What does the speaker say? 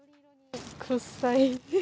くっさい。